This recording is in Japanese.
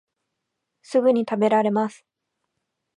すぐたべられます